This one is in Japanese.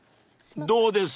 ［どうです？